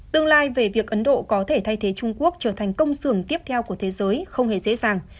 tương lai về việc ấn độ có thể thay thế trung quốc trở thành công xưởng tiếp theo của thế giới không hề dễ dàng